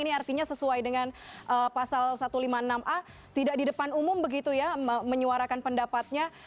ini artinya sesuai dengan pasal satu ratus lima puluh enam a tidak di depan umum begitu ya menyuarakan pendapatnya